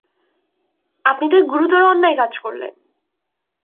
আপনি তো এক গুরুতর অন্যায় কাজ করলেন!